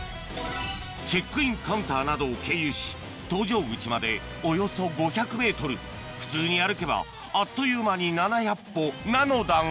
チェックインカウンターなどを経由し搭乗口までおよそ５００ｍ普通に歩けばあっという間に７００歩なのだが